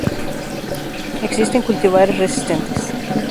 Existen cultivares resistentes.